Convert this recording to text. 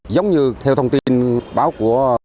giống như theo thông tin báo của